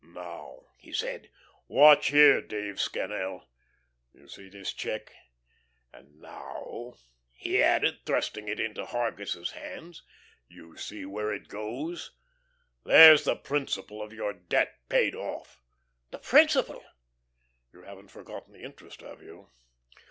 "Now," he said, "watch here, Dave Scannel. You see this check? And now," he added, thrusting it into Hargus's hands, "you see where it goes. There's the principal of your debt paid off." "The principal?" "You haven't forgotten the interest, have you?